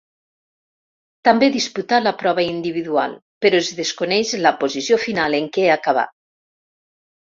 També disputà la prova individual, però es desconeix la posició final en què acabà.